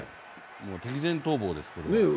もう敵前逃亡ですよね。